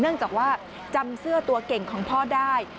เนื่องจากว่าจำเสื้อตัวเก่งของพ่อได้